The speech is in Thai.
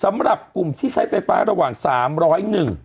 สำหรับกลุ่มที่ใช้ไฟฟ้าระหว่างสามร้อยหนึ่ง